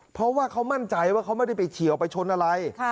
เพราะว่าเขามั่นใจว่าเขาไม่ได้ไปเฉียวไปชนอะไร